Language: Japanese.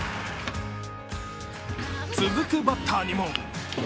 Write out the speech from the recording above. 続くバッターにも。